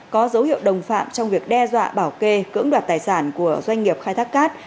có dấu hiệu đồng phạm trong việc đe dọa bảo kê cưỡng đoạt tài sản của doanh nghiệp khai thác cát